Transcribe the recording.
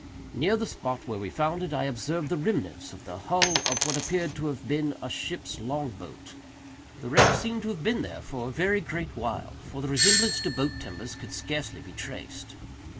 Near the spot where we found it, I observed the remnants of the hull of what appeared to have been a ship's long boat. The wreck seemed to have been there for a very great while; for the resemblance to boat timbers could scarcely be traced.